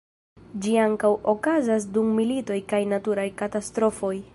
Ĝi ankaŭ okazas dum militoj kaj naturaj katastrofoj.